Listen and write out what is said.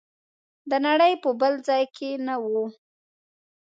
د نړۍ په بل ځای کې نه و.